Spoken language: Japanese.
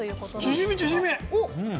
チヂミ、チヂミ！